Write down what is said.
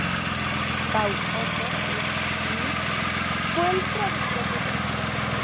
Paul-Otto Schmidt fue el traductor de Hitler.